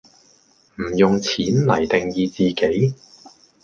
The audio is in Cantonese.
唔用「錢」黎定義自己